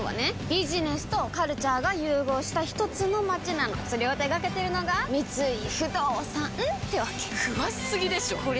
ビジネスとカルチャーが融合したひとつの街なのそれを手掛けてるのが三井不動産ってわけ詳しすぎでしょこりゃ